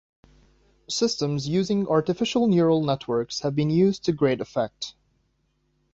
Systems using artificial neural networks have been used to great effect.